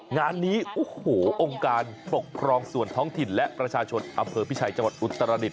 งานนี้โอ้โหองค์การปกครองส่วนท้องถิ่นและประชาชนอำเภอพิชัยจังหวัดอุตรดิษ